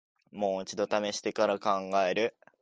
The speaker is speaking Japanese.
もう一度ためしてから考える